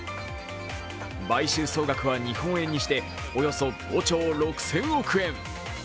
買収総額は日本円にしておよそ５兆６０００億円。